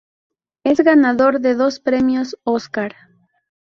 Es ganador de dos premios Óscar.